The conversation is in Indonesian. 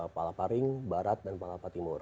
palaparing barat dan palapa timur